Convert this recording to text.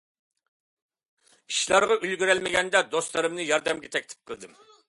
ئىشلارغا ئۈلگۈرەلمىگەندە، دوستلىرىمنى ياردەمگە تەكلىپ قىلدىم.